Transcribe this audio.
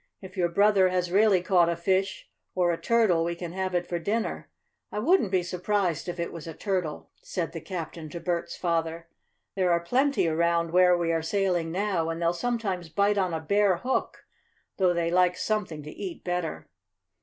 "If your brother has really caught a fish or a turtle we can have it for dinner. I wouldn't be surprised if it was a turtle," said the captain to Bert's father. "There are plenty around where we are sailing now, and they'll sometimes bite on a bare hook, though they like something to eat better.